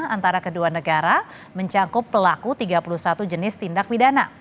antara kedua negara mencangkup pelaku tiga puluh satu jenis tindak pidana